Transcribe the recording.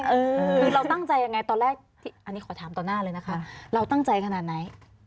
คือเราตั้งใจยังไงตอนแรกอันนี้ขอถามต่อหน้าเลยนะคะเราตั้งใจขนาดไหน